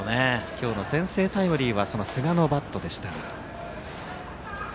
今日の先制タイムリーはその寿賀のバットでした。